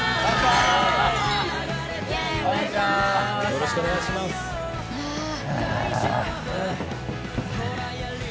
よろしくお願いしますあっあっ